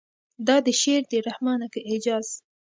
دا دې شعر دی رحمانه که اعجاز.